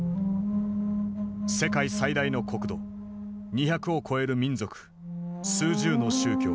世界最大の国土２００を超える民族数十の宗教。